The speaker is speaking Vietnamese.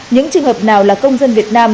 những trường hợp nào là công dân việt nam